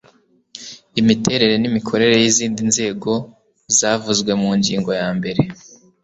imiterere n imikorere y izindi nzego zavuzwe mu ngingo ya mbere